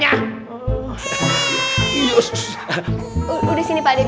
sama bayinya kan muka pak d udah serem